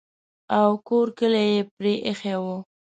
او کور کلی یې پرې ایښی وو.